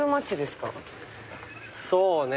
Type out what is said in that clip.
そうね。